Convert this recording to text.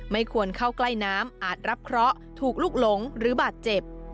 ไม่ควรเข้าใกล้น้ำอาจรับเคราะห์ถูกลุกหลงหรือบาดเจ็บ